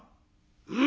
「うん。